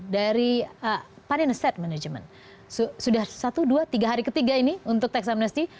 dari panen asset management sudah satu dua tiga hari ketiga ini untuk tax amnesty